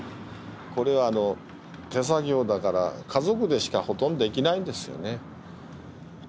これは手作業だから家族でしかほとんどできないんですよね。